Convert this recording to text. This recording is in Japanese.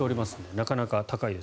なかなか高いです。